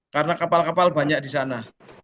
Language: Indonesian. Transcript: karena kapal kapal banyak di sana